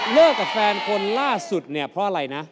กับแฟนคนล่าสุดเนี่ยเพราะอะไรนะ